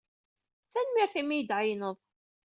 Tanemmirt imi i iyi-d-tɛeyyneḍ.